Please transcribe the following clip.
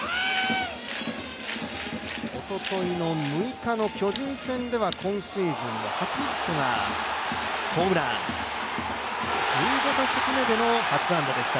おとといの６日の巨人戦では今シーズン初ヒットがホームラン、１５打席目での初安打でした。